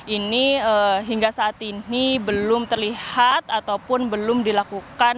ini hingga saat ini belum terlihat ataupun belum dilakukan